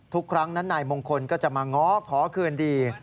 ทุกครั้งนั้นนายมงคลก็จะมาง้อขอคืนดี